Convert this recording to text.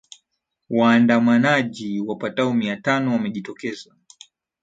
waandamanaji wapatao mia tano wamejitokeza